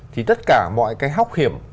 thì tất cả mọi cái hóc hiểm